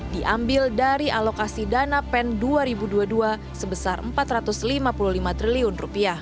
diambil dari alokasi dana pen dua ribu dua puluh dua sebesar rp empat ratus lima puluh lima triliun